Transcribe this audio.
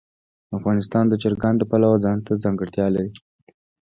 افغانستان د چرګان د پلوه ځانته ځانګړتیا لري.